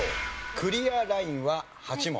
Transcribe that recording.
クリアラインは８問。